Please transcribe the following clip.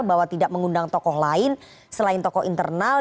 bahwa tidak mengundang tokoh lain selain tokoh internal